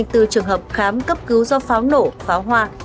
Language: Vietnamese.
sáu trăm linh bốn trường hợp khám cấp cứu do pháo nổ pháo hoa